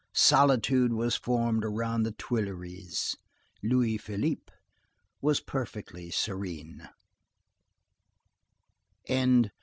Solitude was formed around the Tuileries. Louis Philippe was perfectly serene.